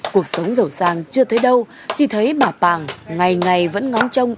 cuộc sống giàu sang chưa thấy đâu chỉ thấy bà pàng ngày ngày vẫn ngóng trông